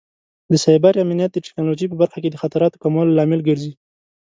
د سایبر امنیت د ټکنالوژۍ په برخه کې د خطراتو کمولو لامل ګرځي.